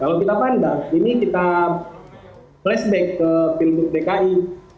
kalau kita pandang ini kita flashback ke pilgub dki